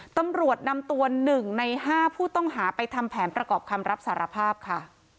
ตำรวจนำตัว๑ใน๕ผู้ต้องหาไปทำแผนประกอบคำรับสารภาพค่ะ